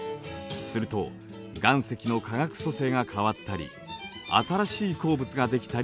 すると岩石の化学組成が変わったり新しい鉱物ができたりします。